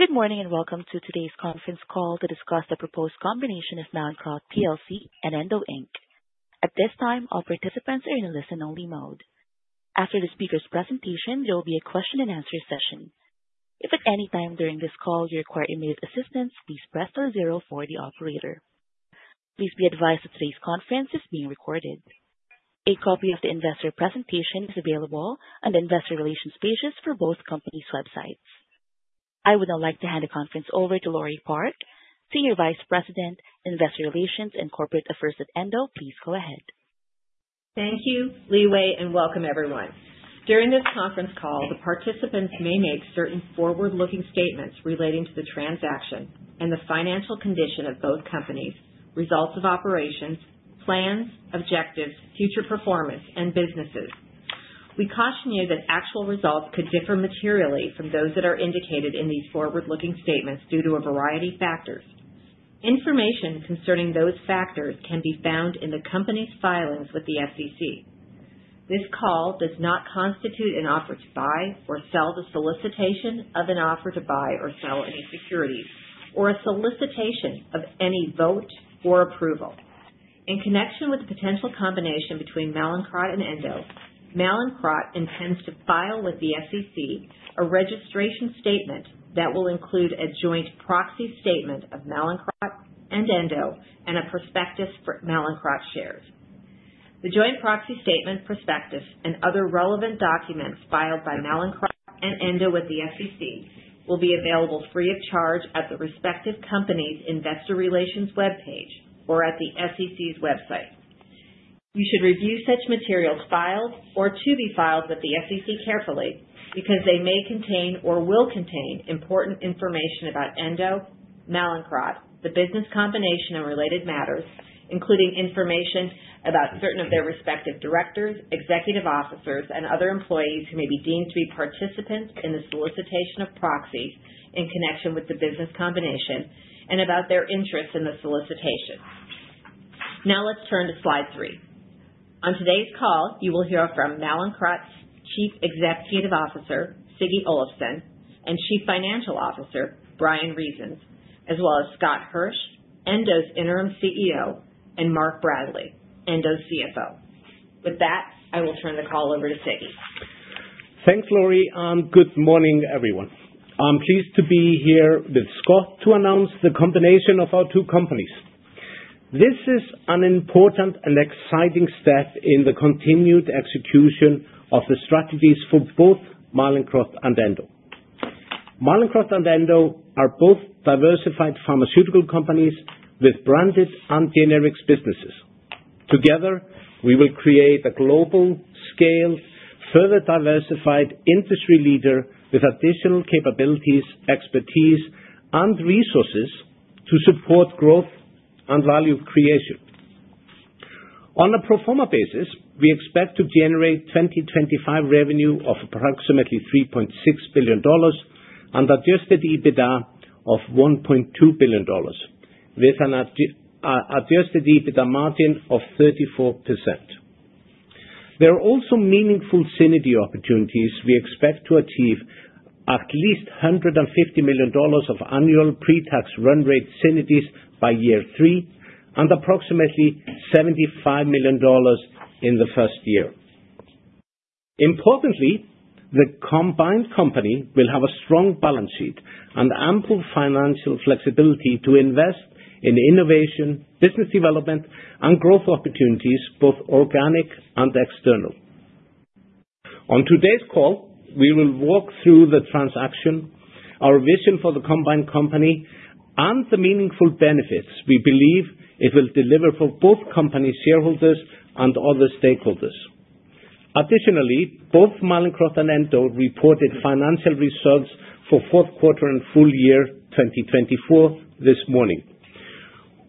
Good morning and welcome to today's conference call to discuss the proposed combination of Mallinckrodt PLC and Endo Inc. At this time, all participants are in a listen-only mode. After the speaker's presentation, there will be a question-and-answer session. If at any time during this call you require immediate assistance, please press star zero for the operator. Please be advised that today's conference is being recorded. A copy of the investor presentation is available on the investor relations pages for both companies' websites. I would now like to hand the conference over to Laure Park, Senior Vice President, Investor Relations and Corporate Affairs at Endo. Please go ahead. Thank you, Li Wei, and welcome everyone. During this conference call, the participants may make certain forward-looking statements relating to the transaction and the financial condition of both companies, results of operations, plans, objectives, future performance, and businesses. We caution you that actual results could differ materially from those that are indicated in these forward-looking statements due to a variety of factors. Information concerning those factors can be found in the company's filings with the SEC. This call does not constitute an offer to buy or sell the solicitation of an offer to buy or sell any securities or a solicitation of any vote or approval. In connection with the potential combination between Mallinckrodt and Endo, Mallinckrodt intends to file with the SEC a registration statement that will include a joint proxy statement of Mallinckrodt and Endo and a prospectus for Mallinckrodt shares. The joint proxy statement, prospectus, and other relevant documents filed by Mallinckrodt and Endo with the SEC will be available free of charge at the respective company's investor relations webpage or at the SEC's website. You should review such materials filed or to be filed with the SEC carefully because they may contain or will contain important information about Endo, Mallinckrodt, the business combination and related matters, including information about certain of their respective directors, executive officers, and other employees who may be deemed to be participants in the solicitation of proxies in connection with the business combination and about their interests in the solicitation. Now let's turn to slide three. On today's call, you will hear from Mallinckrodt's Chief Executive Officer, Siggi Olafsson, and Chief Financial Officer, Bryan Reasons, as well as Scott Hirsch, Endo's interim CEO, and Mark Bradley, Endo's CFO. With that, I will turn the call over to Siggi. Thanks, Laure. Good morning, everyone. I'm pleased to be here with Scott to announce the combination of our two companies. This is an important and exciting step in the continued execution of the strategies for both Mallinckrodt and Endo. Mallinckrodt and Endo are both diversified pharmaceutical companies with branded and generic businesses. Together, we will create a global-scale, further diversified industry leader with additional capabilities, expertise, and resources to support growth and value creation. On a pro forma basis, we expect to generate 2025 revenue of approximately $3.6 billion and Adjusted EBITDA of $1.2 billion, with an Adjusted EBITDA margin of 34%. There are also meaningful synergy opportunities. We expect to achieve at least $150 million of annual pre-tax run rate synergies by year three and approximately $75 million in the first year. Importantly, the combined company will have a strong balance sheet and ample financial flexibility to invest in innovation, business development, and growth opportunities, both organic and external. On today's call, we will walk through the transaction, our vision for the combined company, and the meaningful benefits we believe it will deliver for both company shareholders and other stakeholders. Additionally, both Mallinckrodt and Endo reported financial results for fourth quarter and full year 2024 this morning.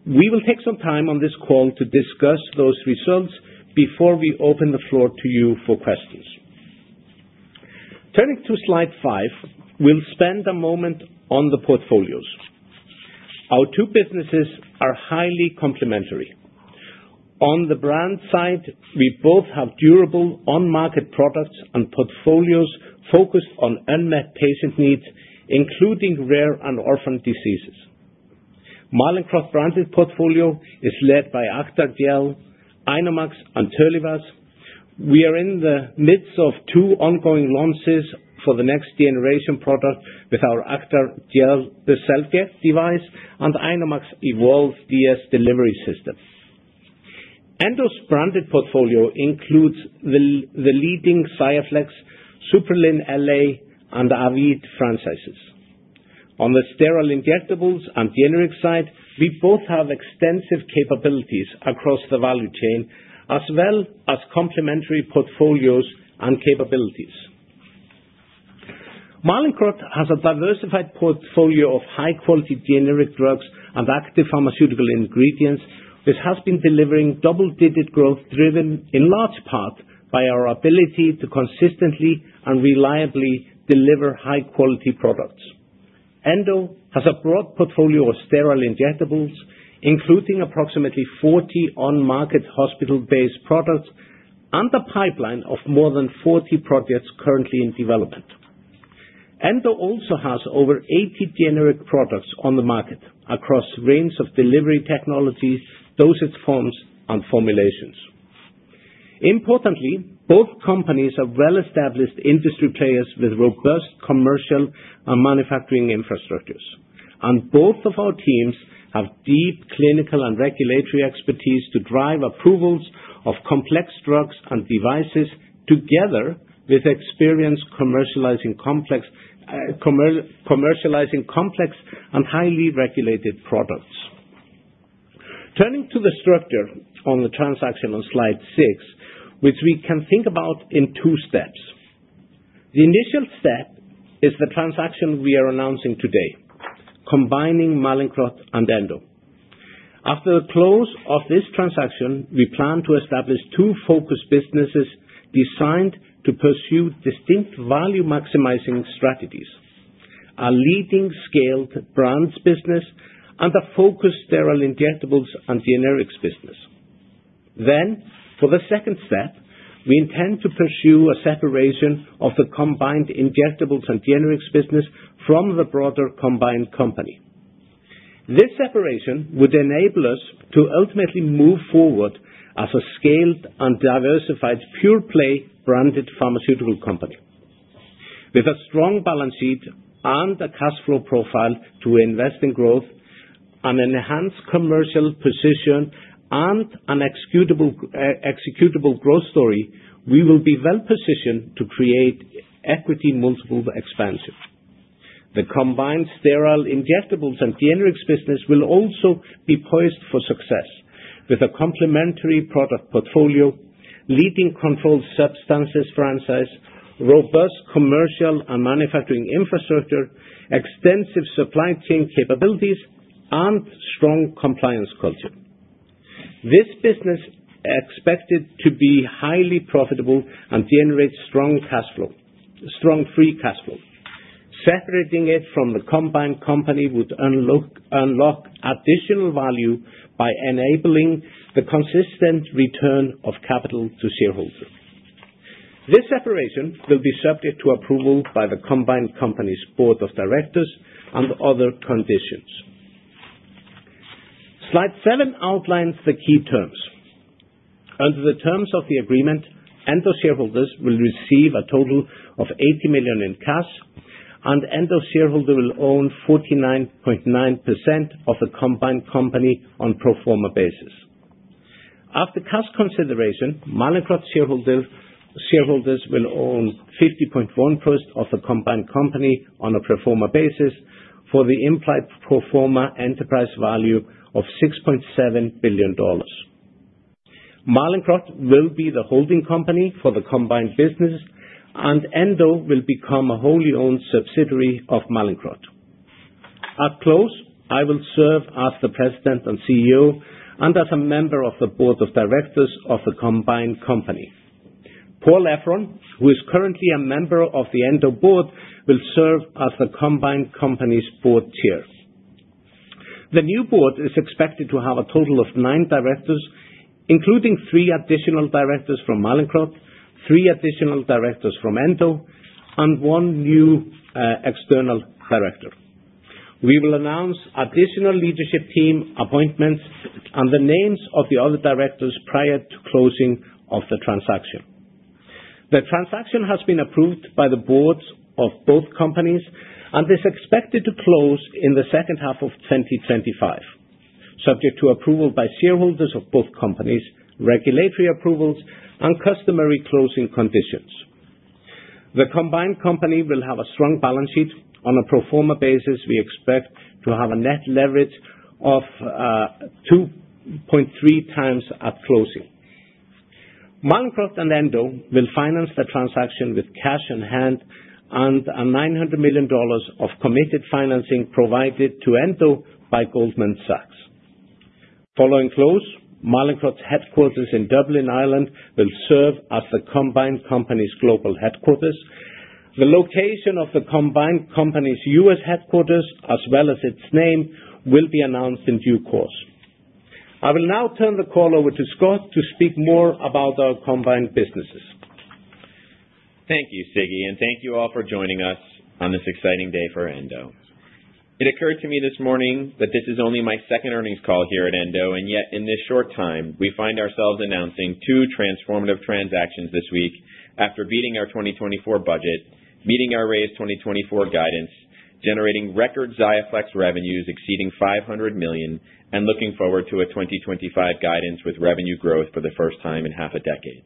We will take some time on this call to discuss those results before we open the floor to you for questions. Turning to slide five, we'll spend a moment on the portfolios. Our two businesses are highly complementary. On the brand side, we both have durable on-market products and portfolios focused on unmet patient needs, including rare and orphan diseases. Mallinckrodt's branded portfolio is led by Acthar Gel, INOmax, and Terlivaz. We are in the midst of two ongoing launches for the next generation product with our Acthar Gel SelfJect device and INOmax EVOLVE DS delivery system. Endo's branded portfolio includes the leading Xiaflex, Supprelin LA, and Aveed franchises. On the sterile injectables and generic side, we both have extensive capabilities across the value chain as well as complementary portfolios and capabilities. Mallinckrodt has a diversified portfolio of high-quality generic drugs and active pharmaceutical ingredients, which has been delivering double-digit growth driven in large part by our ability to consistently and reliably deliver high-quality products. Endo has a broad portfolio of sterile injectables, including approximately 40 on-market hospital-based products and a pipeline of more than 40 projects currently in development. Endo also has over 80 generic products on the market across a range of delivery technologies, dosage forms, and formulations. Importantly, both companies are well-established industry players with robust commercial and manufacturing infrastructures, and both of our teams have deep clinical and regulatory expertise to drive approvals of complex drugs and devices together with experience commercializing complex and highly regulated products. Turning to the structure on the transaction on slide six, which we can think about in two steps. The initial step is the transaction we are announcing today, combining Mallinckrodt and Endo. After the close of this transaction, we plan to establish two focus businesses designed to pursue distinct value-maximizing strategies: a leading scaled brands business and a focused sterile injectables and generics business. For the second step, we intend to pursue a separation of the combined injectables and generics business from the broader combined company. This separation would enable us to ultimately move forward as a scaled and diversified pure-play branded pharmaceutical company with a strong balance sheet and a cash flow profile to invest in growth and enhance commercial position and an executable growth story. We will be well-positioned to create equity multiple expansion. The combined sterile injectables and generics business will also be poised for success with a complementary product portfolio, leading controlled substances franchise, robust commercial and manufacturing infrastructure, extensive supply chain capabilities, and strong compliance culture. This business is expected to be highly profitable and generate strong free cash flow. Separating it from the combined company would unlock additional value by enabling the consistent return of capital to shareholders. This separation will be subject to approval by the combined company's board of directors and other conditions. Slide seven outlines the key terms. Under the terms of the agreement, Endo shareholders will receive a total of $80 million in cash, and Endo shareholders will own 49.9% of the combined company on a pro forma basis. After cash consideration, Mallinckrodt shareholders will own 50.1% of the combined company on a pro forma basis for the implied pro forma enterprise value of $6.7 billion. Mallinckrodt will be the holding company for the combined business, and Endo will become a wholly owned subsidiary of Mallinckrodt. At close, I will serve as the President and CEO and as a member of the board of directors of the combined company. Paul Efron, who is currently a member of the Endo board, will serve as the combined company's board chair. The new board is expected to have a total of nine directors, including three additional directors from Mallinckrodt, three additional directors from Endo, and one new external director. We will announce additional leadership team appointments and the names of the other directors prior to closing of the transaction. The transaction has been approved by the boards of both companies and is expected to close in the second half of 2025, subject to approval by shareholders of both companies, regulatory approvals, and customary closing conditions. The combined company will have a strong balance sheet on a pro forma basis. We expect to have a net leverage of 2.3 times at closing. Mallinckrodt and Endo will finance the transaction with cash in hand and $900 million of committed financing provided to Endo by Goldman Sachs. Following close, Mallinckrodt's headquarters in Dublin, Ireland, will serve as the combined company's global headquarters. The location of the combined company's US headquarters, as well as its name, will be announced in due course. I will now turn the call over to Scott to speak more about our combined businesses. Thank you, Siggi, and thank you all for joining us on this exciting day for Endo. It occurred to me this morning that this is only my second earnings call here at Endo, and yet in this short time, we find ourselves announcing two transformative transactions this week after beating our 2024 budget, meeting our raised 2024 guidance, generating record Xiaflex revenues exceeding $500 million, and looking forward to a 2025 guidance with revenue growth for the first time in half a decade.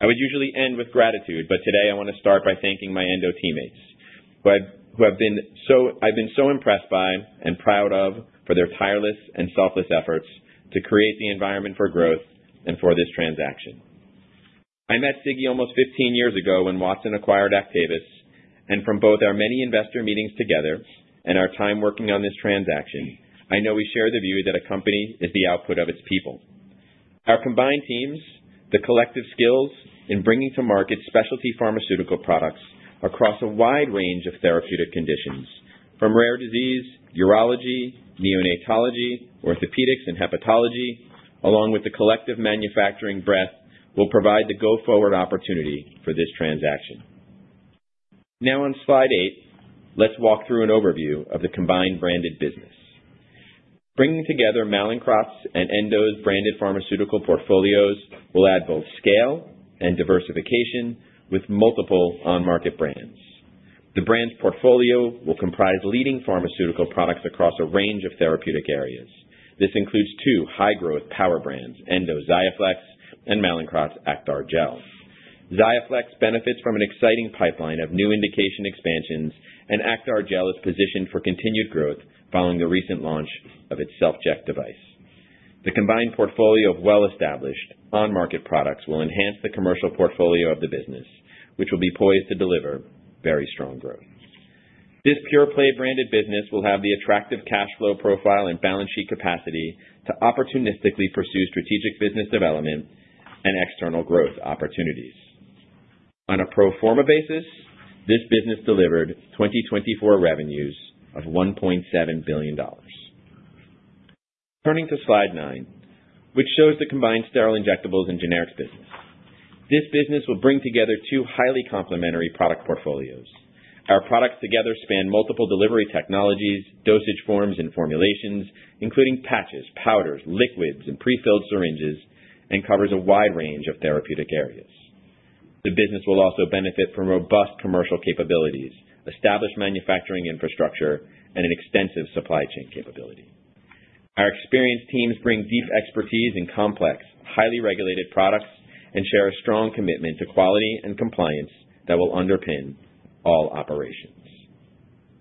I would usually end with gratitude, but today I want to start by thanking my Endo teammates who have been so I've been so impressed by and proud of for their tireless and selfless efforts to create the environment for growth and for this transaction. I met Siggi almost 15 years ago when Watson acquired Actavis. From both our many investor meetings together and our time working on this transaction, I know we share the view that a company is the output of its people. Our combined teams, the collective skills in bringing to market specialty pharmaceutical products across a wide range of therapeutic conditions from rare disease, urology, neonatology, orthopedics, and hepatology, along with the collective manufacturing breadth, will provide the go-forward opportunity for this transaction. Now on slide eight, let's walk through an overview of the combined branded business. Bringing together Mallinckrodt's and Endo's branded pharmaceutical portfolios will add both scale and diversification with multiple on-market brands. The brands portfolio will comprise leading pharmaceutical products across a range of therapeutic areas. This includes two high-growth power brands, Endo Xiaflex and Mallinckrodt's Acthar Gel. Xiaflex benefits from an exciting pipeline of new indication expansions, and Acthar Gel is positioned for continued growth following the recent launch of its SelfJect device. The combined portfolio of well-established on-market products will enhance the commercial portfolio of the business, which will be poised to deliver very strong growth. This pure-play branded business will have the attractive cash flow profile and balance sheet capacity to opportunistically pursue strategic business development and external growth opportunities. On a pro forma basis, this business delivered 2024 revenues of $1.7 billion. Turning to slide nine, which shows the combined sterile injectables and generics business. This business will bring together two highly complementary product portfolios. Our products together span multiple delivery technologies, dosage forms, and formulations, including patches, powders, liquids, and prefilled syringes, and covers a wide range of therapeutic areas. The business will also benefit from robust commercial capabilities, established manufacturing infrastructure, and an extensive supply chain capability. Our experienced teams bring deep expertise in complex, highly regulated products and share a strong commitment to quality and compliance that will underpin all operations.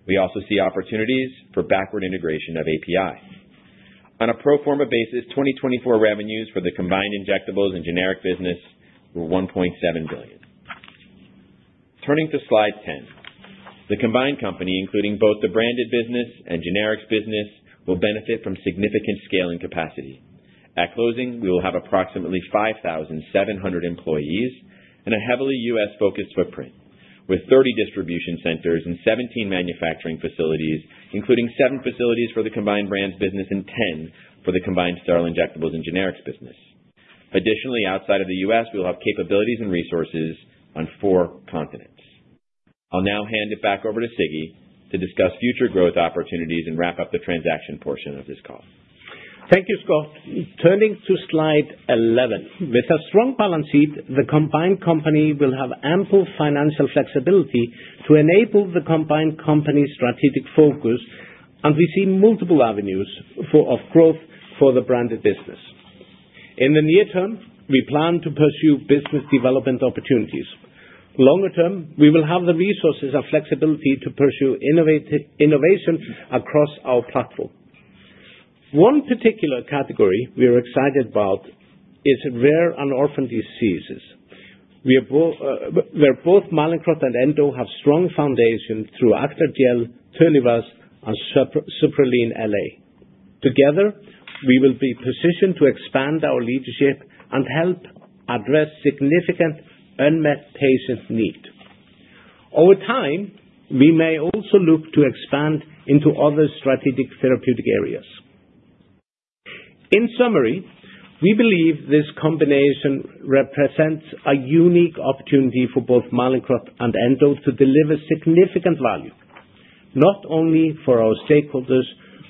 We also see opportunities for backward integration of API. On a pro forma basis, 2024 revenues for the combined injectables and generic business were $1.7 billion. Turning to slide 10, the combined company, including both the branded business and generics business, will benefit from significant scaling capacity. At closing, we will have approximately 5,700 employees and a heavily US-focused footprint with 30 distribution centers and 17 manufacturing facilities, including seven facilities for the combined brands business and 10 for the combined sterile injectables and generics business. Additionally, outside of the U.S., we will have capabilities and resources on four continents. I'll now hand it back over to Siggi to discuss future growth opportunities and wrap up the transaction portion of this call. Thank you, Scott. Turning to slide 11, with a strong balance sheet, the combined company will have ample financial flexibility to enable the combined company's strategic focus, and we see multiple avenues of growth for the branded business. In the near term, we plan to pursue business development opportunities. Longer term, we will have the resources and flexibility to pursue innovation across our platform. One particular category we are excited about is rare and orphan diseases. We are both Mallinckrodt and Endo have strong foundations through Acthar Gel, Terlivaz, and Supprelin LA. Together, we will be positioned to expand our leadership and help address significant unmet patient needs. Over time, we may also look to expand into other strategic therapeutic areas. In summary, we believe this combination represents a unique opportunity for both Mallinckrodt and Endo to deliver significant value, not only for our stakeholders,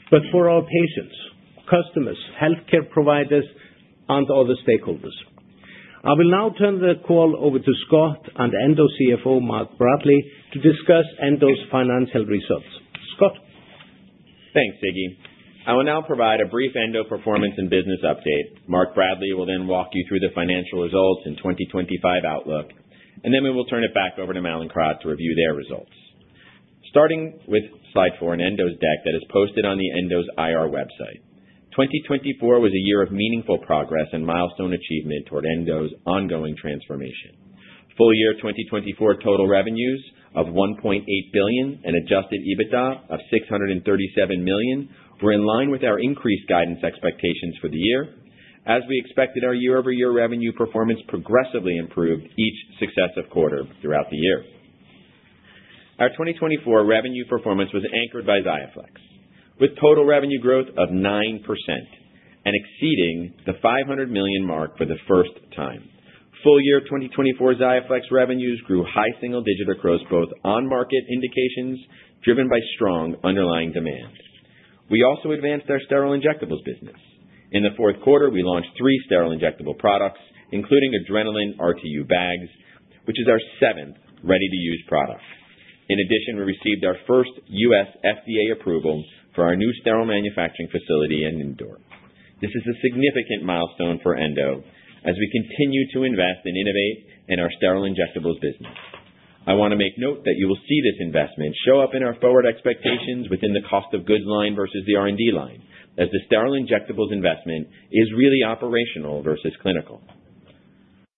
but for our patients, customers, healthcare providers, and other stakeholders. I will now turn the call over to Scott and Endo CFO, Mark Bradley, to discuss Endo's financial results. Scott. Thanks, Siggi. I will now provide a brief Endo performance and business update. Mark Bradley will then walk you through the financial results and 2025 outlook, and then we will turn it back over to Mallinckrodt to review their results. Starting with slide four in Endo's deck that is posted on Endo's IR website, 2024 was a year of meaningful progress and milestone achievement toward Endo's ongoing transformation. Full year 2024 total revenues of $1.8 billion and Adjusted EBITDA of $637 million were in line with our increased guidance expectations for the year, as we expected our year-over-year revenue performance progressively improved each successive quarter throughout the year. Our 2024 revenue performance was anchored by Xiaflex, with total revenue growth of 9% and exceeding the $500 million mark for the first time. Full year 2024 Xiaflex revenues grew high single-digit across both on-market indications driven by strong underlying demand. We also advanced our sterile injectables business. In the fourth quarter, we launched three sterile injectable products, including Adrenalin RTU bags, which is our seventh ready-to-use product. In addition, we received our first U.S. FDA approval for our new sterile manufacturing facility in Indore. This is a significant milestone for Endo as we continue to invest and innovate in our sterile injectables business. I want to make note that you will see this investment show up in our forward expectations within the cost of goods line versus the R&D line, as the sterile injectables investment is really operational versus clinical.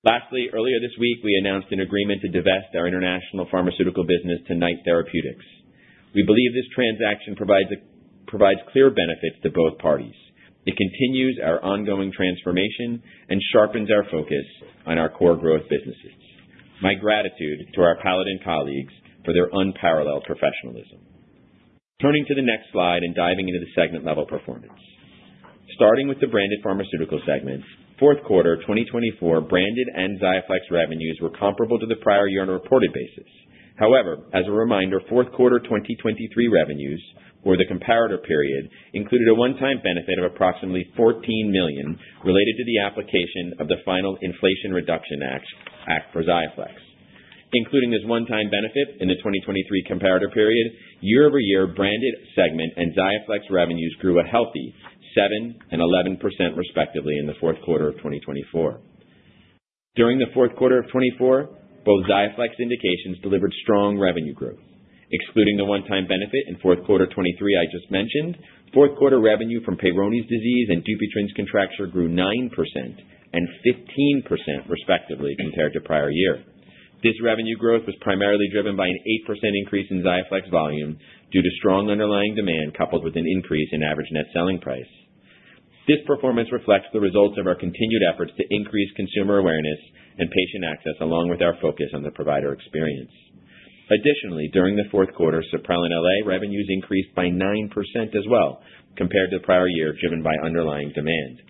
Lastly, earlier this week, we announced an agreement to divest our international pharmaceutical business to Knight Therapeutics. We believe this transaction provides clear benefits to both parties. It continues our ongoing transformation and sharpens our focus on our core growth businesses. My gratitude to our Paladin colleagues for their unparalleled professionalism. Turning to the next slide and diving into the segment-level performance. Starting with the branded pharmaceutical segment, fourth quarter 2024 branded and Xiaflex revenues were comparable to the prior year on a reported basis. However, as a reminder, fourth quarter 2023 revenues, or the comparator period, included a one-time benefit of approximately $14 million related to the application of the final Inflation Reduction Act for Xiaflex. Including this one-time benefit in the 2023 comparator period, year-over-year branded segment and Xiaflex revenues grew a healthy 7% and 11% respectively in the fourth quarter of 2024. During the fourth quarter of 2024, both Xiaflex indications delivered strong revenue growth. Excluding the one-time benefit in fourth quarter 2023 I just mentioned, fourth quarter revenue from Peyronie's disease and Dupuytren's contracture grew 9% and 15% respectively compared to prior year. This revenue growth was primarily driven by an 8% increase in Xiaflex volume due to strong underlying demand coupled with an increase in average net selling price. This performance reflects the results of our continued efforts to increase consumer awareness and patient access, along with our focus on the provider experience. Additionally, during the fourth quarter, Supprelin LA revenues increased by 9% as well compared to the prior year, driven by underlying demand.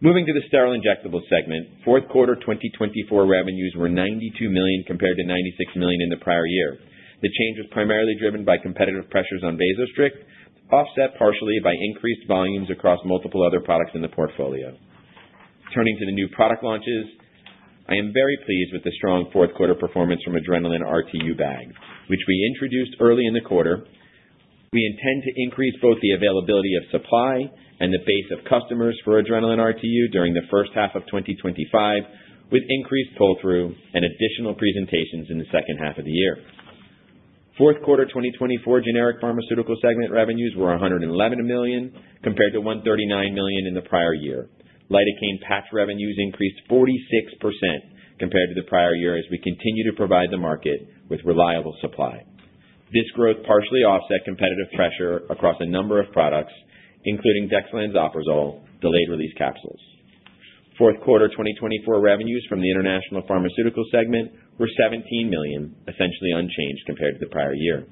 Moving to the sterile injectable segment, fourth quarter 2024 revenues were $92 million compared to $96 million in the prior year. The change was primarily driven by competitive pressures on Vasostrict, offset partially by increased volumes across multiple other products in the portfolio. Turning to the new product launches, I am very pleased with the strong fourth quarter performance from Adrenalin RTU bag, which we introduced early in the quarter. We intend to increase both the availability of supply and the base of customers for Adrenalin RTU during the first half of 2025, with increased pull-through and additional presentations in the second half of the year. Fourth quarter 2024 generic pharmaceutical segment revenues were $111 million compared to $139 million in the prior year. Lidocaine patch revenues increased 46% compared to the prior year as we continue to provide the market with reliable supply. This growth partially offset competitive pressure across a number of products, including Dexlansoprazole delayed-release capsules. Fourth quarter 2024 revenues from the international pharmaceutical segment were $17 million, essentially unchanged compared to the prior year.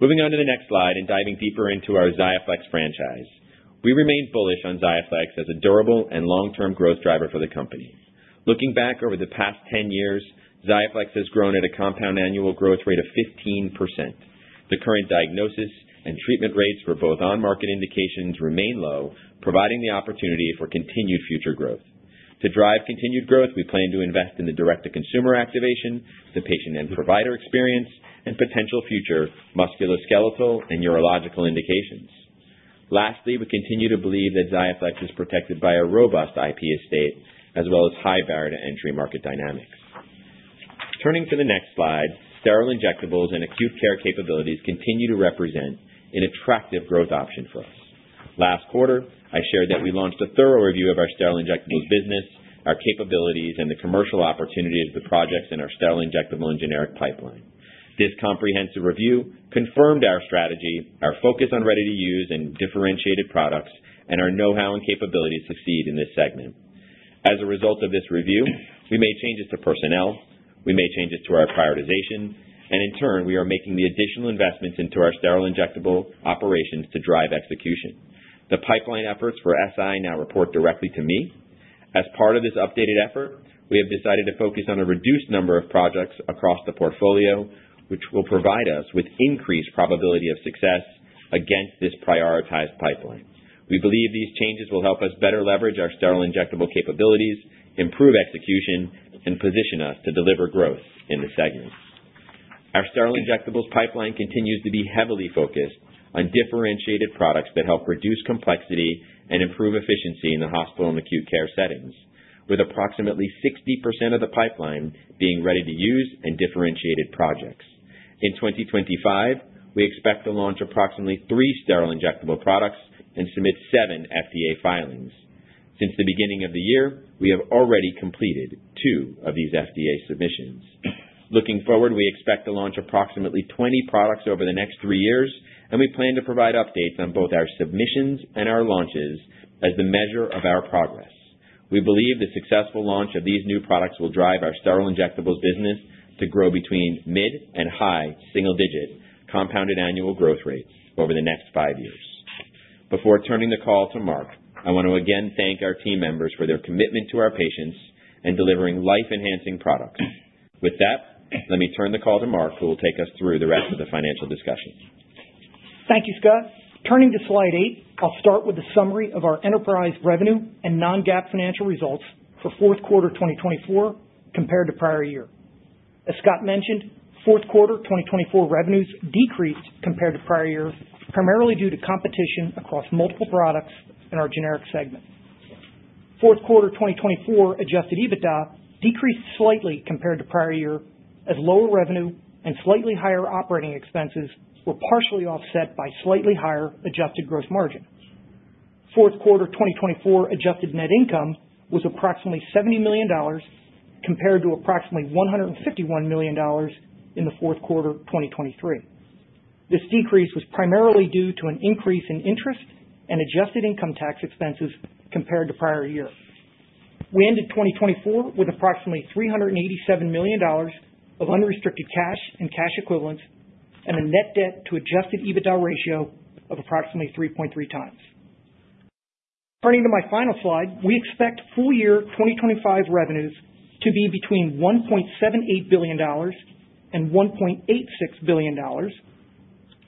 Moving on to the next slide and diving deeper into our Xiaflex franchise, we remain bullish on Xiaflex as a durable and long-term growth driver for the company. Looking back over the past 10 years, Xiaflex has grown at a compound annual growth rate of 15%. The current diagnosis and treatment rates for both on-market indications remain low, providing the opportunity for continued future growth. To drive continued growth, we plan to invest in the direct-to-consumer activation, the patient and provider experience, and potential future musculoskeletal and urological indications. Lastly, we continue to believe that Xiaflex is protected by a robust IP estate as well as high barrier-to-entry market dynamics. Turning to the next slide, sterile injectables and acute care capabilities continue to represent an attractive growth option for us. Last quarter, I shared that we launched a thorough review of our sterile injectables business, our capabilities, and the commercial opportunities of the projects in our sterile injectable and generic pipeline. This comprehensive review confirmed our strategy, our focus on ready-to-use and differentiated products, and our know-how and capability to succeed in this segment. As a result of this review, we made changes to personnel, we made changes to our prioritization, and in turn, we are making the additional investments into our sterile injectable operations to drive execution. The pipeline efforts for SI now report directly to me. As part of this updated effort, we have decided to focus on a reduced number of projects across the portfolio, which will provide us with increased probability of success against this prioritized pipeline. We believe these changes will help us better leverage our sterile injectable capabilities, improve execution, and position us to deliver growth in the segment. Our sterile injectables pipeline continues to be heavily focused on differentiated products that help reduce complexity and improve efficiency in the hospital and acute care settings, with approximately 60% of the pipeline being ready-to-use and differentiated projects. In 2025, we expect to launch approximately three sterile injectable products and submit seven FDA filings. Since the beginning of the year, we have already completed two of these FDA submissions. Looking forward, we expect to launch approximately 20 products over the next three years, and we plan to provide updates on both our submissions and our launches as the measure of our progress. We believe the successful launch of these new products will drive our sterile injectables business to grow between mid and high single-digit compounded annual growth rates over the next five years. Before turning the call to Mark, I want to again thank our team members for their commitment to our patients and delivering life-enhancing products. With that, let me turn the call to Mark, who will take us through the rest of the financial discussion. Thank you, Scott. Turning to slide eight, I'll start with a summary of our enterprise revenue and non-GAAP financial results for fourth quarter 2024 compared to prior year. As Scott mentioned, fourth quarter 2024 revenues decreased compared to prior years, primarily due to competition across multiple products in our generic segment. Fourth quarter 2024 Adjusted EBITDA decreased slightly compared to prior year as lower revenue and slightly higher operating expenses were partially offset by slightly higher adjusted gross margin. Fourth quarter 2024 Adjusted Net Income was approximately $70 million compared to approximately $151 million in the fourth quarter 2023. This decrease was primarily due to an increase in interest and adjusted income tax expenses compared to prior year. We ended 2024 with approximately $387 million of unrestricted cash and cash equivalents and a net debt to Adjusted EBITDA ratio of approximately 3.3 times. Turning to my final slide, we expect full year 2025 revenues to be between $1.78 billion and $1.86 billion,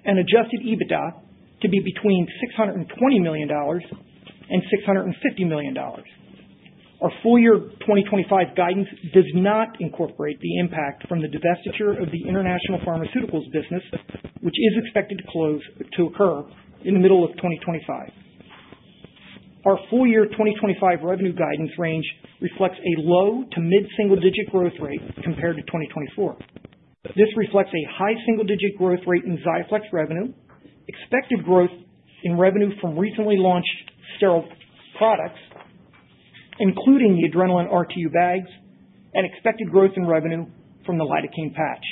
and Adjusted EBITDA to be between $620 million and $650 million. Our full year 2025 guidance does not incorporate the impact from the divestiture of the international pharmaceuticals business, which is expected to occur in the middle of 2025. Our full year 2025 revenue guidance range reflects a low to mid-single-digit growth rate compared to 2024. This reflects a high single-digit growth rate in Xiaflex revenue, expected growth in revenue from recently launched sterile products, including the Adrenalin RTU bags, and expected growth in revenue from the Lidocaine patch.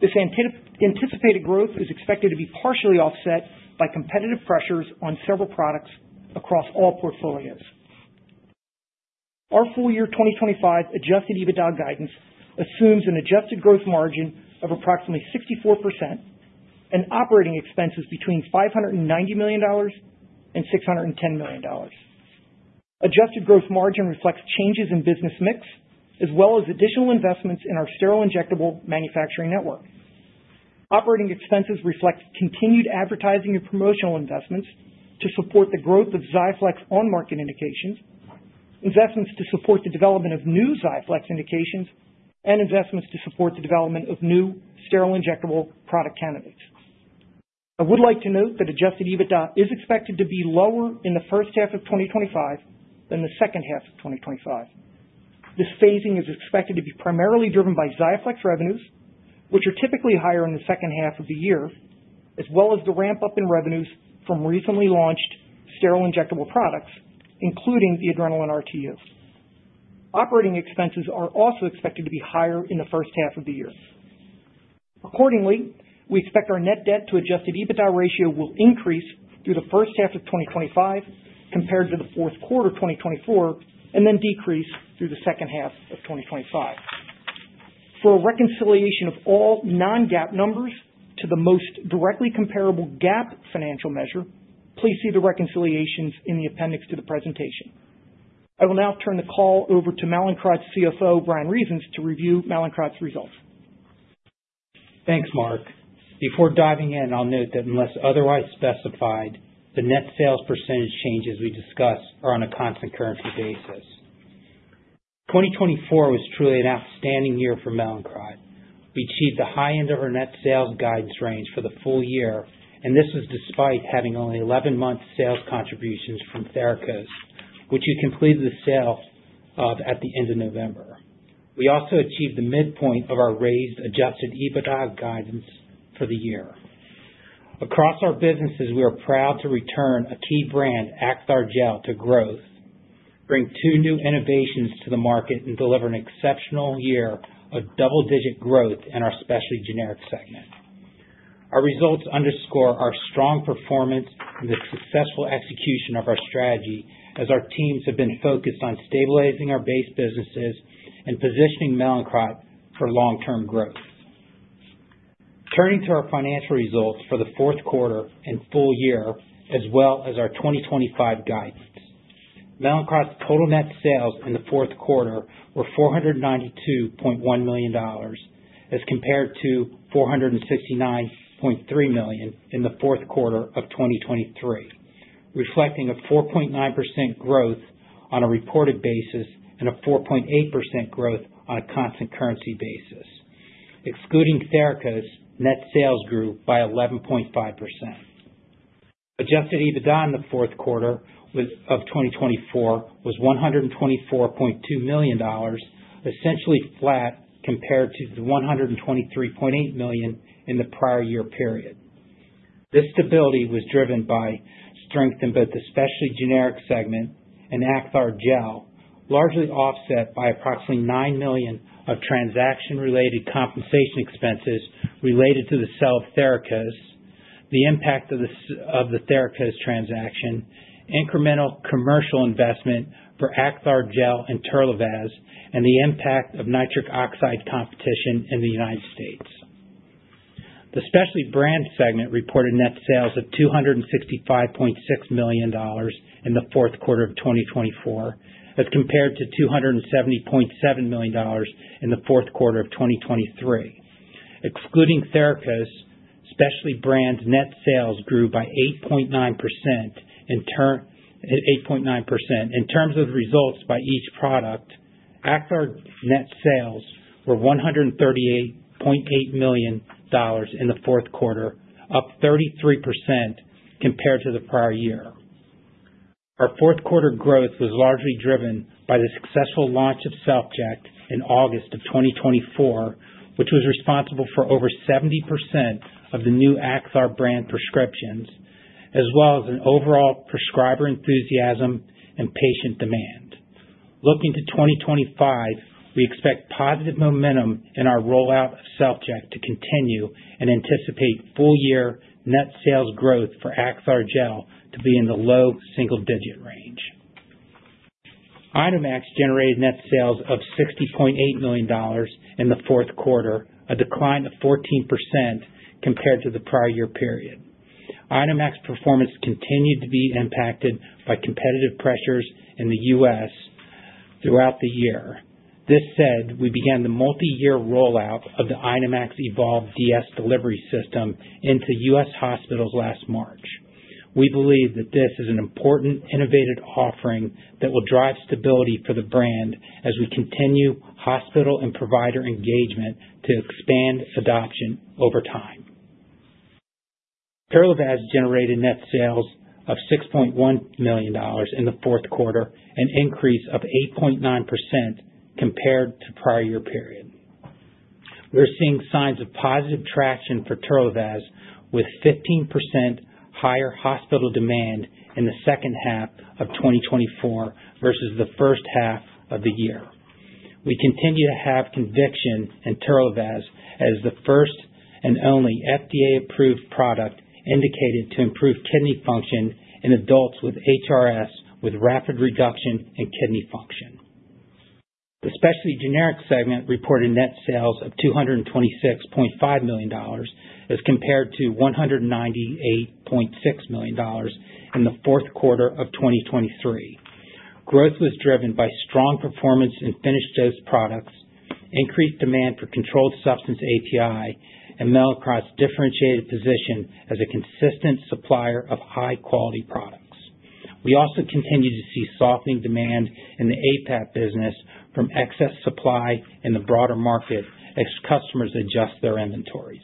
This anticipated growth is expected to be partially offset by competitive pressures on several products across all portfolios. Our full year 2025 Adjusted EBITDA guidance assumes an adjusted gross margin of approximately 64% and operating expenses between $590 million and $610 million. Adjusted gross margin reflects changes in business mix as well as additional investments in our sterile injectable manufacturing network. Operating expenses reflect continued advertising and promotional investments to support the growth of Xiaflex on-market indications, investments to support the development of new Xiaflex indications, and investments to support the development of new sterile injectable product candidates. I would like to note that Adjusted EBITDA is expected to be lower in the first half of 2025 than the second half of 2025. This phasing is expected to be primarily driven by Xiaflex revenues, which are typically higher in the second half of the year, as well as the ramp-up in revenues from recently launched sterile injectable products, including the Adrenalin RTU. Operating expenses are also expected to be higher in the first half of the year. Accordingly, we expect our net debt to Adjusted EBITDA ratio will increase through the first half of 2025 compared to the fourth quarter 2024, and then decrease through the second half of 2025. For a reconciliation of all non-GAAP numbers to the most directly comparable GAAP financial measure, please see the reconciliations in the appendix to the presentation. I will now turn the call over to Mallinckrodt's CFO, Bryan Reasons, to review Mallinckrodt's results. Thanks, Mark. Before diving in, I'll note that unless otherwise specified, the net sales percent changes we discussed are on a constant currency basis. 2024 was truly an outstanding year for Mallinckrodt. We achieved the high end of our net sales guidance range for the full year, and this was despite having only 11-month sales contributions from Therakos, which we completed the sale of at the end of November. We also achieved the midpoint of our raised Adjusted EBITDA guidance for the year. Across our businesses, we are proud to return a key brand, Acthar Gel, to growth, bring two new innovations to the market, and deliver an exceptional year of double-digit growth in our specialty generic segment. Our results underscore our strong performance and the successful execution of our strategy as our teams have been focused on stabilizing our base businesses and positioning Mallinckrodt for long-term growth. Turning to our financial results for the fourth quarter and full year, as well as our 2025 guidance, Mallinckrodt's total net sales in the fourth quarter were $492.1 million as compared to $469.3 million in the fourth quarter of 2023, reflecting a 4.9% growth on a reported basis and a 4.8% growth on a constant currency basis. Excluding Therakos, net sales grew by 11.5%. Adjusted EBITDA in the fourth quarter of 2024 was $124.2 million, essentially flat compared to the $123.8 million in the prior year period. This stability was driven by strength in both the specialty generic segment and Acthar Gel, largely offset by approximately $9 million of transaction-related compensation expenses related to the sale of Therakos, the impact of the Therakos transaction, incremental commercial investment for Acthar Gel and Terlivaz, and the impact of nitric oxide competition in the United States. The specialty brand segment reported net sales of $265.6 million in the fourth quarter of 2024, as compared to $270.7 million in the fourth quarter of 2023. Excluding Therakos, specialty brand net sales grew by 8.9%. In terms of results by each product, Acthar's net sales were $138.8 million in the fourth quarter, up 33% compared to the prior year. Our fourth quarter growth was largely driven by the successful launch of SelfJect in August of 2024, which was responsible for over 70% of the new Acthar brand prescriptions, as well as an overall prescriber enthusiasm and patient demand. Looking to 2025, we expect positive momentum in our rollout of SelfJect to continue and anticipate full year net sales growth for Acthar Gel to be in the low single-digit range. INOmax generated net sales of $60.8 million in the fourth quarter, a decline of 14% compared to the prior year period. INOmax performance continued to be impacted by competitive pressures in the U.S. throughout the year. This said, we began the multi-year rollout of the INOmax Evolve DS delivery system into U.S. hospitals last March. We believe that this is an important innovative offering that will drive stability for the brand as we continue hospital and provider engagement to expand adoption over time. Terlivaz generated net sales of $6.1 million in the fourth quarter, an increase of 8.9% compared to prior year period. We're seeing signs of positive traction for Terlivaz, with 15% higher hospital demand in the second half of 2024 versus the first half of the year. We continue to have conviction in Terlivaz as the first and only FDA-approved product indicated to improve kidney function in adults with HRS, with rapid reduction in kidney function. The specialty generic segment reported net sales of $226.5 million as compared to $198.6 million in the fourth quarter of 2023. Growth was driven by strong performance in finished dose products, increased demand for controlled substance API, and Mallinckrodt's differentiated position as a consistent supplier of high-quality products. We also continue to see softening demand in the APAP business from excess supply in the broader market as customers adjust their inventories.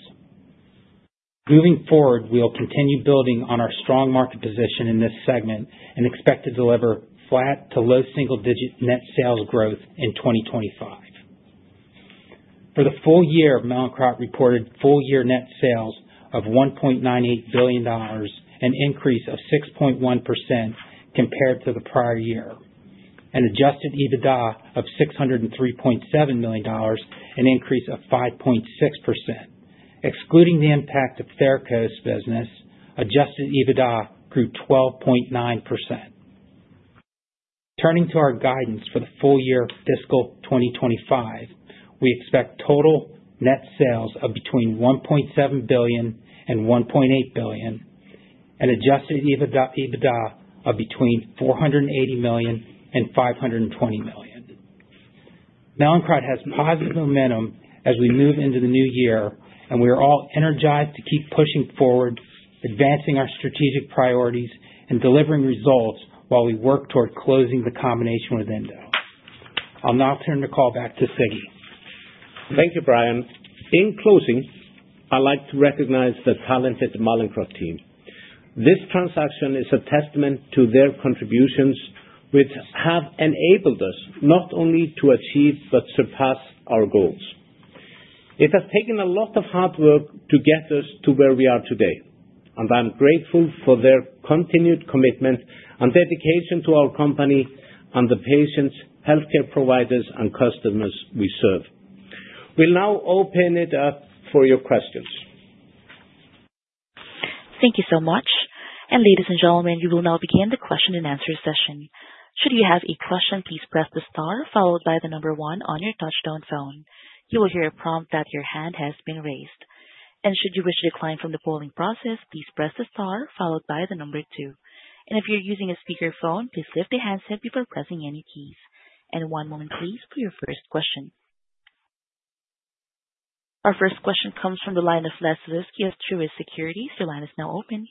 Moving forward, we'll continue building on our strong market position in this segment and expect to deliver flat to low single-digit net sales growth in 2025. For the full year, Mallinckrodt reported full year net sales of $1.98 billion, an increase of 6.1% compared to the prior year, and Adjusted EBITDA of $603.7 million, an increase of 5.6%. Excluding the impact of the Therakos business, Adjusted EBITDA grew 12.9%. Turning to our guidance for the full year fiscal 2025, we expect total net sales of between $1.7 billion and $1.8 billion, and Adjusted EBITDA of between $480 million and $520 million. Mallinckrodt has positive momentum as we move into the new year, and we are all energized to keep pushing forward, advancing our strategic priorities, and delivering results while we work toward closing the combination with Endo. I'll now turn the call back to Siggi. Thank you, Bryan. In closing, I'd like to recognize the talented Mallinckrodt team. This transaction is a testament to their contributions, which have enabled us not only to achieve but surpass our goals. It has taken a lot of hard work to get us to where we are today, and I'm grateful for their continued commitment and dedication to our company and the patients, healthcare providers, and customers we serve. We'll now open it up for your questions. Thank you so much. Ladies and gentlemen, you will now begin the question and answer session. Should you have a question, please press the star followed by the number one on your touch-tone phone. You will hear a prompt that your hand has been raised. Should you wish to decline from the polling process, please press the star followed by the number two. If you're using a speakerphone, please lift the handset before pressing any keys. One moment, please, for your first question. Our first question comes from the line of [Laszlo Kurucz] with Securities. Your line is now open.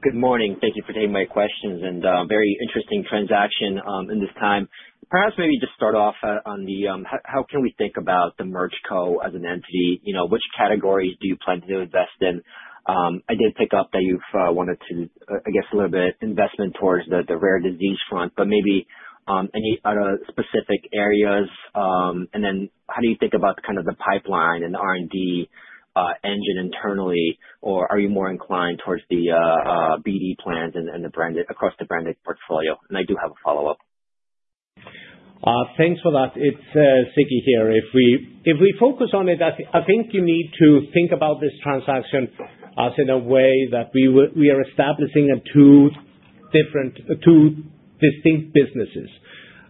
Good morning. Thank you for taking my questions. Very interesting transaction in this time. Perhaps maybe just start off on the how can we think about the merge co as an entity? Which categories do you plan to invest in? I did pick up that you've wanted to, I guess, a little bit investment towards the rare disease front, but maybe any other specific areas? How do you think about kind of the pipeline and the R&D engine internally, or are you more inclined towards the BD plans and across the branded portfolio? I do have a follow-up. Thanks for that. It's Siggi here. If we focus on it, I think you need to think about this transaction as in a way that we are establishing two distinct businesses: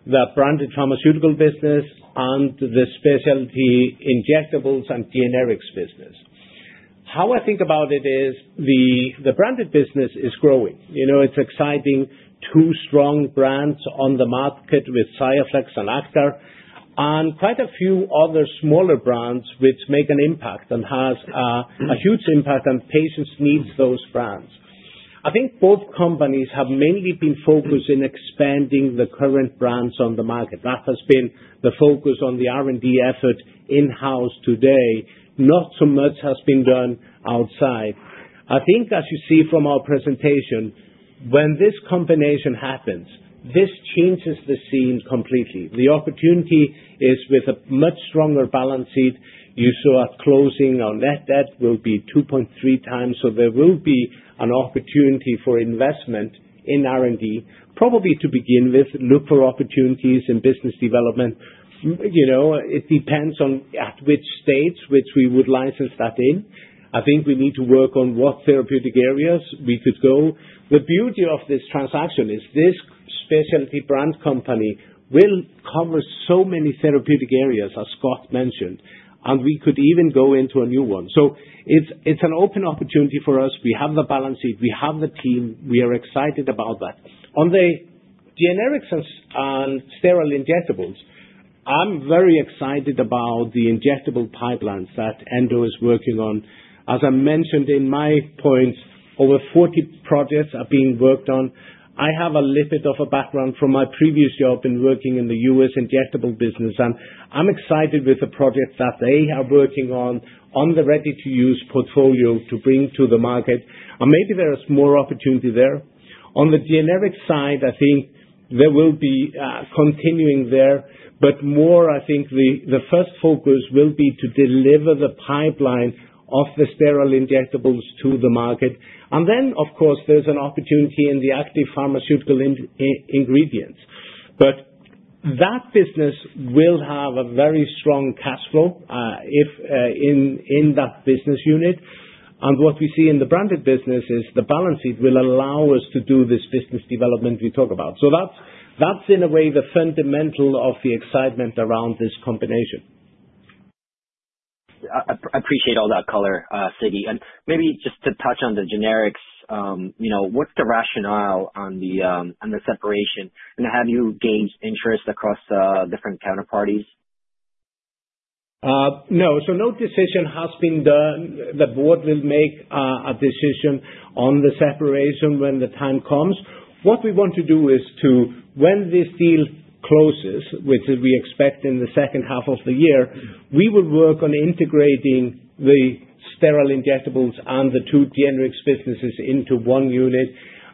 the branded pharmaceutical business and the specialty injectables and generics business. How I think about it is the branded business is growing. It's exciting to see strong brands on the market with Xiaflex and Acthar and quite a few other smaller brands which make an impact and have a huge impact on patients' needs, those brands. I think both companies have mainly been focused in expanding the current brands on the market. That has been the focus on the R&D effort in-house today. Not so much has been done outside. I think, as you see from our presentation, when this combination happens, this changes the scene completely. The opportunity is with a much stronger balance sheet. You saw at closing our net debt will be 2.3 times, so there will be an opportunity for investment in R&D. Probably to begin with, look for opportunities in business development. It depends on at which states which we would license that in. I think we need to work on what therapeutic areas we could go. The beauty of this transaction is this specialty brand company will cover so many therapeutic areas, as Scott mentioned, and we could even go into a new one. It is an open opportunity for us. We have the balance sheet. We have the team. We are excited about that. On the generics and sterile injectables, I am very excited about the injectable pipelines that Endo is working on. As I mentioned in my points, over 40 projects are being worked on. I have a little bit of a background from my previous job in working in the U.S. injectable business, and I'm excited with the projects that they are working on, on the ready-to-use portfolio to bring to the market. Maybe there is more opportunity there. On the generic side, I think there will be continuing there, but more, I think the first focus will be to deliver the pipeline of the sterile injectables to the market. Of course, there is an opportunity in the active pharmaceutical ingredients. That business will have a very strong cash flow in that business unit. What we see in the branded business is the balance sheet will allow us to do this business development we talk about. That is, in a way, the fundamental of the excitement around this combination. I appreciate all that color, Siggi. Maybe just to touch on the generics, what's the rationale on the separation? Have you gained interest across different counterparties? No. No decision has been done. The board will make a decision on the separation when the time comes. What we want to do is, when this deal closes, which we expect in the second half of the year, we will work on integrating the sterile injectables and the two generics businesses into one unit.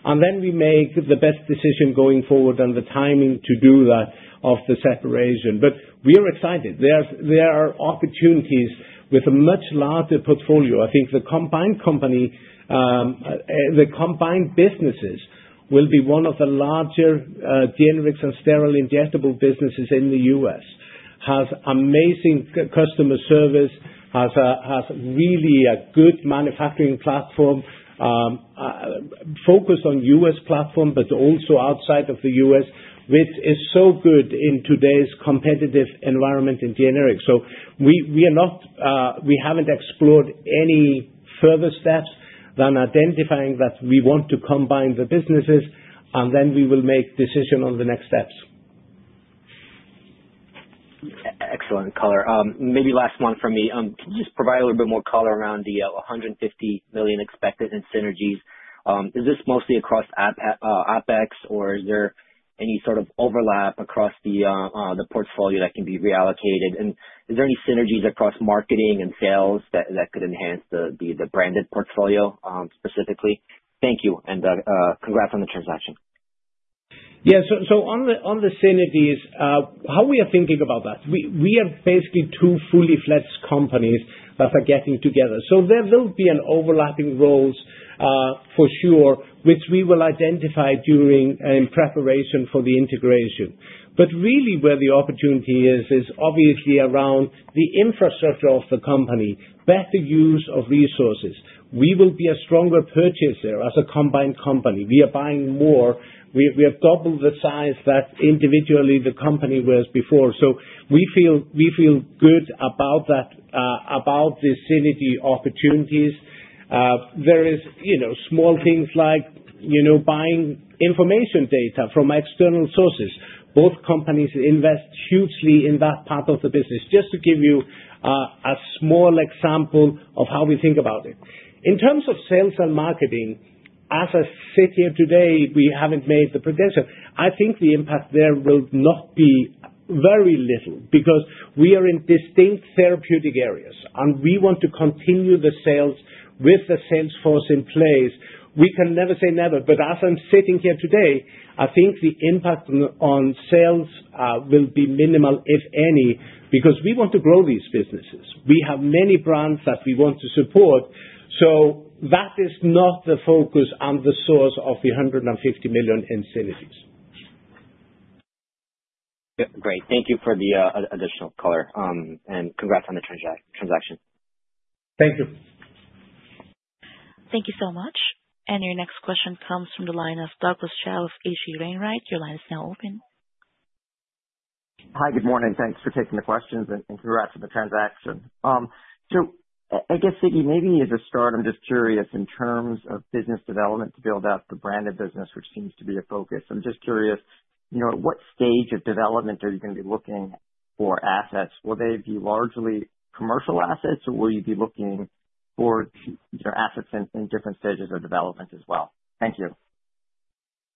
We make the best decision going forward on the timing to do that of the separation. We are excited. There are opportunities with a much larger portfolio. I think the combined company, the combined businesses, will be one of the larger generics and sterile injectable businesses in the U.S. Has amazing customer service, has really a good manufacturing platform focused on U.S. platform, but also outside of the U.S., which is so good in today's competitive environment in generics. We haven't explored any further steps than identifying that we want to combine the businesses, and then we will make decision on the next steps. Excellent color. Maybe last one from me. Can you just provide a little bit more color around the $150 million expected in synergies? Is this mostly across APEX, or is there any sort of overlap across the portfolio that can be reallocated? Is there any synergies across marketing and sales that could enhance the branded portfolio specifically? Thank you. Congrats on the transaction. Yeah. On the synergies, how we are thinking about that, we have basically two fully flexed companies that are getting together. There will be an overlapping role for sure, which we will identify during in preparation for the integration. Where the opportunity is, is obviously around the infrastructure of the company, better use of resources. We will be a stronger purchaser as a combined company. We are buying more. We have doubled the size that individually the company was before. We feel good about the synergy opportunities. There are small things like buying information data from external sources. Both companies invest hugely in that part of the business. Just to give you a small example of how we think about it. In terms of sales and marketing, as I sit here today, we have not made the prediction. I think the impact there will not be very little because we are in distinct therapeutic areas, and we want to continue the sales with the sales force in place. We can never say never, but as I'm sitting here today, I think the impact on sales will be minimal, if any, because we want to grow these businesses. We have many brands that we want to support. That is not the focus and the source of the $150 million in synergies. Great. Thank you for the additional color. Congratulations on the transaction. Thank you. Thank you so much. Your next question comes from the line of Douglas Tsao of H.C. Wainwright. Your line is now open. Hi, good morning. Thanks for taking the questions and congrats on the transaction. I guess, Siggi, maybe as a start, I'm just curious in terms of business development to build out the branded business, which seems to be a focus. I'm just curious, at what stage of development are you going to be looking for assets? Will they be largely commercial assets, or will you be looking for assets in different stages of development as well? Thank you.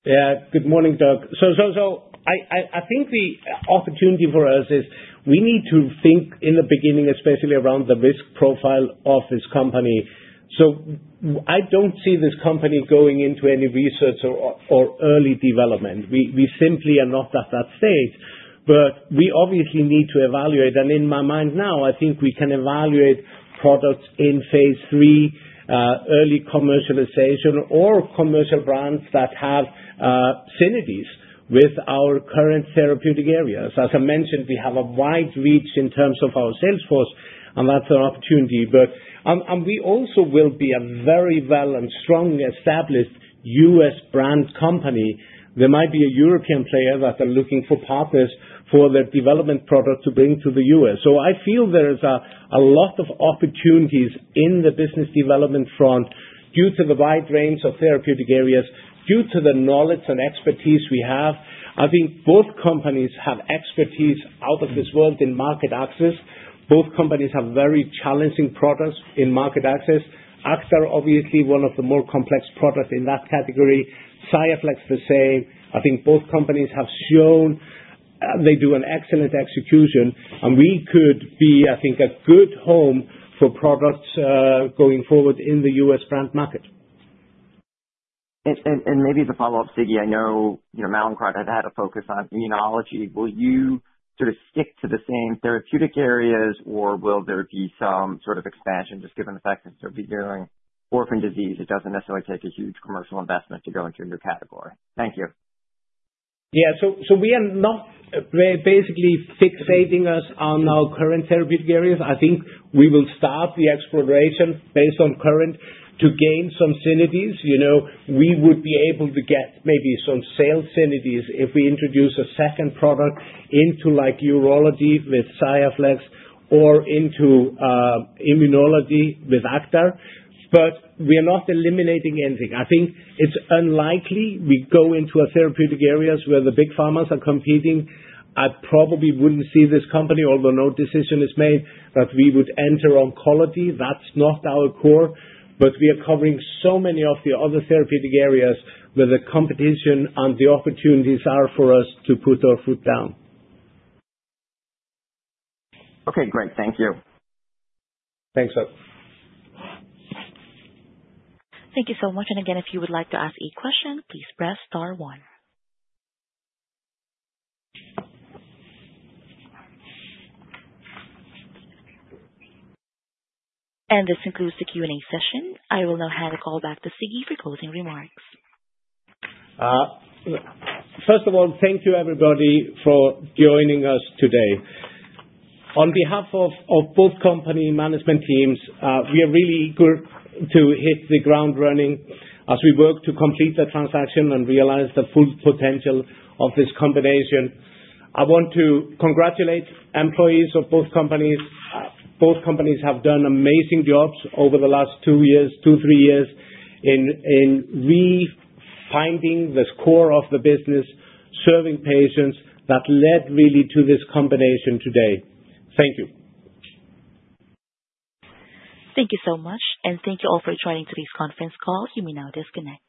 Yeah. Good morning, Doug. I think the opportunity for us is we need to think in the beginning, especially around the risk profile of this company. I do not see this company going into any research or early development. We simply are not at that stage, but we obviously need to evaluate. In my mind now, I think we can evaluate products in phase III, early commercialization, or commercial brands that have synergies with our current therapeutic areas. As I mentioned, we have a wide reach in terms of our sales force, and that is an opportunity. We also will be a very well and strong established U.S. brand company. There might be a European player that is looking for partners for the development product to bring to the U.S. I feel there is a lot of opportunities in the business development front due to the wide range of therapeutic areas, due to the knowledge and expertise we have. I think both companies have expertise out of this world in market access. Both companies have very challenging products in market access. Acthar is obviously one of the more complex products in that category. Xiaflex, the same. I think both companies have shown they do an excellent execution, and we could be, I think, a good home for products going forward in the U.S. brand market. Maybe as a follow-up, Siggi, I know Mallinckrodt has had a focus on immunology. Will you sort of stick to the same therapeutic areas, or will there be some sort of expansion just given the fact that you'll be dealing with orphan disease? It doesn't necessarily take a huge commercial investment to go into a new category. Thank you. Yeah. We are not basically fixating us on our current therapeutic areas. I think we will start the exploration based on current to gain some synergies. We would be able to get maybe some sales synergies if we introduce a second product into urology with Xiaflex or into immunology with Acthar. We are not eliminating anything. I think it's unlikely we go into therapeutic areas where the big pharmas are competing. I probably wouldn't see this company, although no decision is made, that we would enter oncology. That's not our core, but we are covering so many of the other therapeutic areas where the competition and the opportunities are for us to put our foot down. Okay. Great. Thank you. Thanks, Doug. Thank you so much. If you would like to ask a question, please press star one. This concludes the Q&A session. I will now hand the call back to Siggi for closing remarks. First of all, thank you, everybody, for joining us today. On behalf of both company management teams, we are really good to hit the ground running as we work to complete the transaction and realize the full potential of this combination. I want to congratulate employees of both companies. Both companies have done amazing jobs over the last two years, two, three years in refinding the core of the business, serving patients that led really to this combination today. Thank you. Thank you so much. Thank you all for joining today's conference call. You may now disconnect.